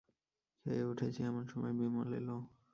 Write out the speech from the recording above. খেয়ে উঠেছি এমন সময় বিমল এল।